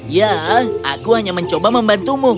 ya aku hanya mencoba membantumu